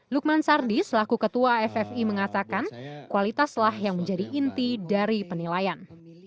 lukman sardi selaku ketua ffi mengatakan kualitaslah yang menjadi inti dari penilaian